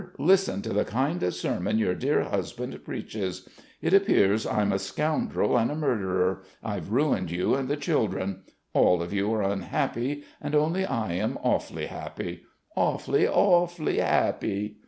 Listen to the kind of sermon your dear husband preaches. It appears I'm a scoundrel and a murderer, I've ruined you and the children. All of you are unhappy, and only I am awfully happy! Awfully, awfully happy!"